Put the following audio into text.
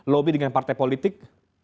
lobby dengan partai politik